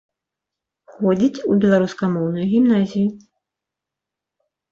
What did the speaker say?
Ходзіць у беларускамоўную гімназію.